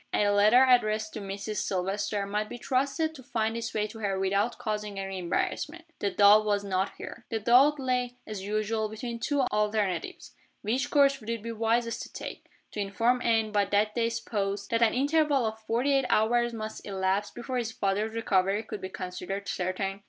A letter addressed to "Mrs. Silvester" might be trusted to find its way to her without causing any embarrassment. The doubt was not here. The doubt lay, as usual, between two alternatives. Which course would it be wisest to take? to inform Anne, by that day's post, that an interval of forty eight hours must elapse before his father's recovery could be considered certain?